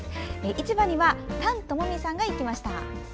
市場には丹友美さんが行ってくれました。